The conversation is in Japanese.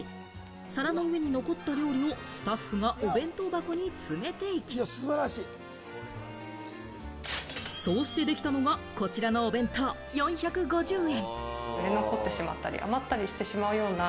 皿の上に残った料理をスタッフがお弁当箱に詰めていき、そうしてできたのがこちらのお弁当、４５０円。